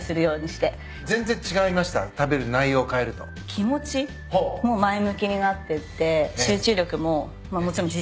気持ちも前向きになってって。